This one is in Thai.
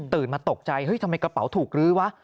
มาตกใจเฮ้ยทำไมกระเป๋าถูกลื้อวะ